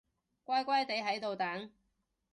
乖乖哋喺度等